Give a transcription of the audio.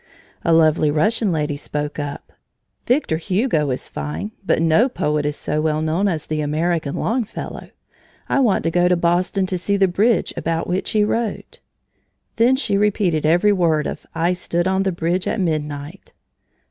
A lovely Russian lady spoke up: "Victor Hugo is fine, but no poet is so well known as the American Longfellow. I want to go to Boston to see the Bridge about which he wrote." Then she repeated every word of "I stood on the Bridge at Midnight."